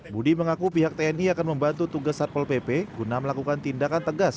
budi mengaku pihak tni akan membantu tugas satpol pp guna melakukan tindakan tegas